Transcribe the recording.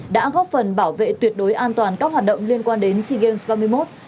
đã góp phần bảo vệ tuyệt đối an toàn các hoạt động liên quan đến sea games ba mươi một